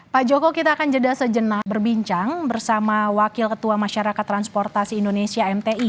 pak joko kita akan jeda sejenak berbincang bersama wakil ketua masyarakat transportasi indonesia mti